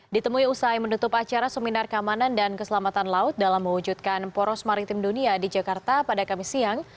ditemui usai menutup acara seminar keamanan dan keselamatan laut dalam mewujudkan poros maritim dunia di jakarta pada kamis siang